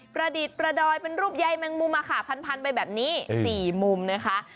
ประดิษฐ์ประดอยเป็นรูปใยแมงมุมพันไปแบบนี้๔มุมนะคะ